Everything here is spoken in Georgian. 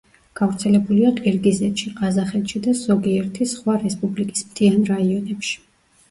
გავრცელებულია ყირგიზეთში, ყაზახეთში და ზოგიერთი სხვა რესპუბლიკის მთიან რაიონებში.